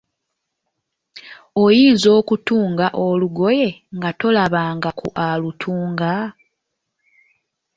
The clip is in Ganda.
Oyinza okutunga olugoye nga tolabanga ku alutunga?